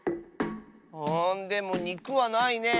あでもにくはないね。